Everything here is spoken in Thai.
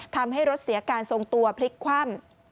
ทำให้รถเสียการทรงตัวพลิกคว่ำ